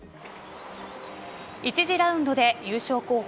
１次ラウンドで優勝候補